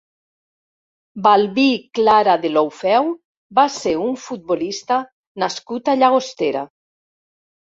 Balbí Clara Deulofeu va ser un futbolista nascut a Llagostera.